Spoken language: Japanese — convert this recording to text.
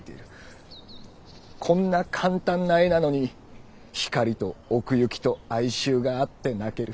こんな簡単な絵なのに光と奥行きと哀愁があって泣ける。